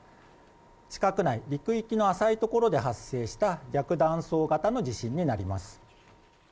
地殻内、陸域の浅い所で発生した逆断層型の地震になります。